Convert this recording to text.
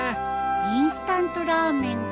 インスタントラーメンか。